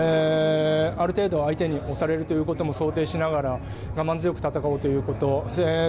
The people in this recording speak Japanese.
ある程度、相手に押されることも想定しながら我慢強く戦おうということ。